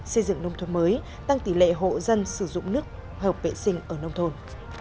xây dựng nông thôn mới tăng tỷ lệ hộ dân sử dụng nước hợp vệ sinh ở nông thôn